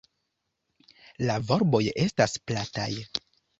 La volboj estas plataj.